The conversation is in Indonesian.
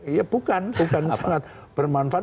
iya bukan bukan sangat bermanfaat